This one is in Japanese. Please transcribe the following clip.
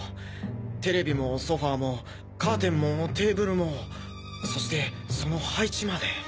テレビもソファもカーテンもテーブルもそしてその配置まで。